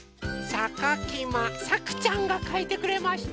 さかきまさくちゃんがかいてくれました。